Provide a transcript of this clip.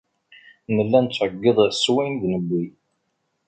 Nella nettɛeyyiḍ s wayen i d-newwi.